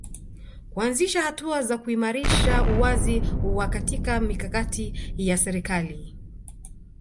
Kuanzisha hatua za kuimarisha uwazi wa katika mikakati ya serikali